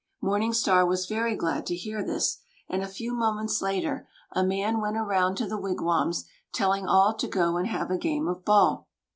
Morning Star was very glad to hear this, and a few moments later, a man went around to the wigwams, telling all to go and have a game of ball.